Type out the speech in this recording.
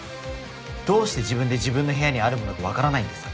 どうして自分で自分の部屋にある物がわからないんですか？